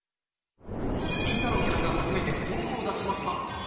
りんたろーさんが初めて本を出しました。